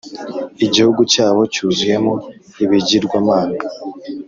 Igihugu cyabo cyuzuyemo ibigirwamana,